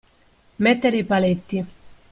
Mettere i paletti.